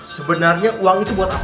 sebenarnya uang itu buat apa